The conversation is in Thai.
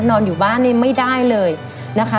นอนอยู่บ้านนี่ไม่ได้เลยนะคะ